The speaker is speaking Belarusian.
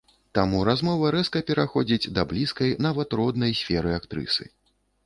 Таму размова рэзка пераходзіць да блізкай, нават, роднай сферы актрысы.